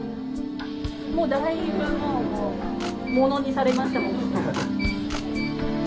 もうだいぶもうもうもうものにされました。